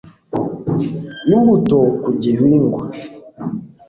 imbuto ku gihingwa